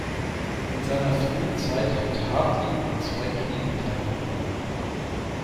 In seiner frühen Zeit hat Hartlieb an zwei Kriegen teilgenommen.